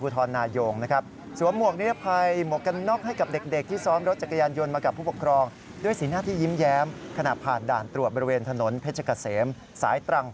ผู้บังคับหมู่งานจราจร